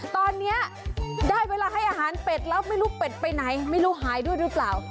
ตอนนี้ได้เวลาให้อาหารเป็ดแล้วไม่รู้เป็ดไปไหนไม่รู้หายด้วยหรือเปล่า